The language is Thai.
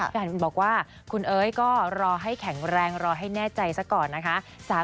แฟนคุณบอกว่าคุณเอ๋ยก็รอให้แข็งแรงรอให้แน่ใจซะก่อนนะคะ